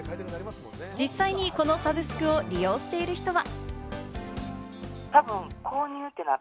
実際にこのサブスクを利用している人は。